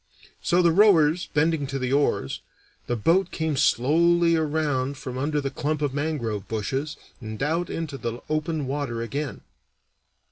So, the rowers bending to the oars, the boat came slowly around from under the clump of mangrove bushes and out into the open water again.